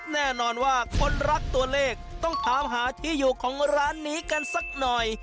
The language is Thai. แน่นอนว่าคนรักตัวเลขต้องถามหาที่อยู่ของร้านนี้กันสักหน่อย